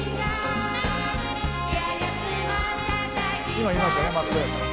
「今いましたね松任谷さん」